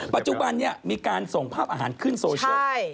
ปัจจุบันนี้มีการส่งภาพอาหารขึ้นโซเชียล